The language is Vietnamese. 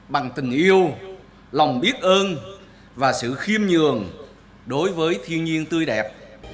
bằng tình yêu lòng biết ơn và sự khiêm nhường đối với thiên nhiên tươi đẹp